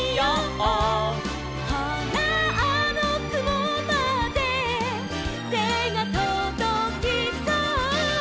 「ほらあのくもまでてがとどきそう」